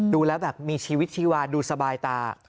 ดูแล้วแบบมีชีวิตชีวาดูสบายตา